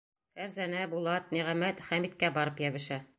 Фәрзәнә, Булат, Ниғәмәт Хәмиткә барып йәбешә.